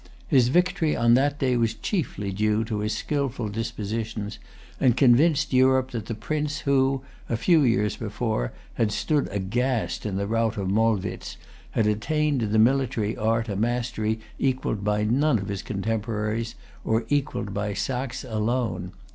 His victory on that day was chiefly due to his skilful dispositions, and convinced Europe that the prince who, a few years before, had stood aghast in the rout of Molwitz, had attained in the military art a mastery equalled by none of his contemporaries, or equalled by Saxe alone.